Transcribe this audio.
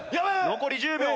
残り１０秒。